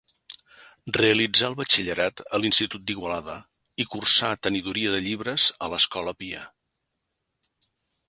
Realitzà el batxillerat a l'Institut d'Igualada i cursà Tenidoria de llibres a l'Escola Pia.